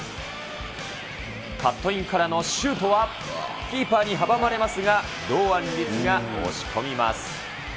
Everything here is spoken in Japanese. カットインからのシュートは、キーパーに阻まれますが、堂安律が押し込みます。